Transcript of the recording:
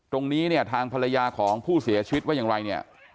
ตรงนี้เนี่ยทางภรรยาของผู้เสียชีวิตว่าอย่างไรเนี่ย